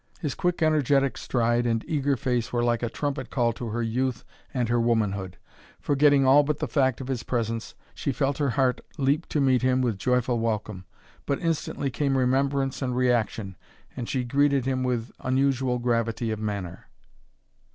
His quick, energetic stride and eager face were like a trumpet call to her youth and her womanhood. Forgetting all but the fact of his presence, she felt her heart leap to meet him with joyful welcome. But instantly came remembrance and reaction, and she greeted him with unusual gravity of manner.